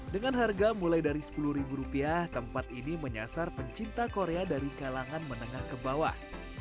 dengan harga mulai dari sepuluh ribu rupiah tempat ini menyasar pencinta korea dari kalangan menengah ke bawah